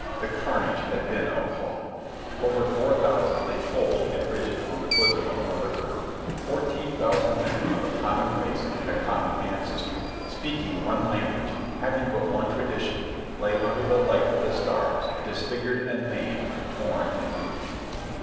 The carnage had been appalling. Over four thousand lay cold and rigid on the bosom of Mother Earth. Fourteen thousand men of a common race and a common ancestry, speaking one language, having but one tradition, lay under the light of the stars disfigured and maimed, torn and bleeding.